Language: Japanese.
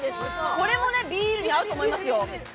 これもビールに合うと思いますよ。